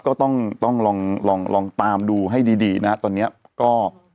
ก็ต้องต้องลองลองตามดูให้ดีดีนะตอนนี้ก็